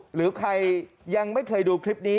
หรือใครยังไม่เคยดูคลิปนี้